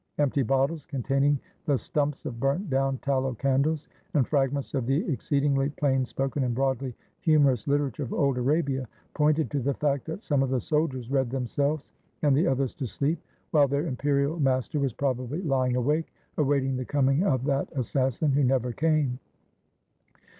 Empty bottles, containing the stumps of burnt down tallow candles and fragments of the exceedingly plain spoken and broadly humorous literature of old Arabia, pointed to the fact that some of the soldiers read themselves and the others to sleep while their imperial master was probably lying awake, awaiting the coming of that assassin who never came.